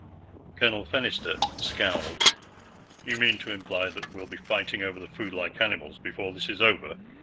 Colonel Fennister scowled. "You mean to imply that we'll be fighting over the food like animals before this is over?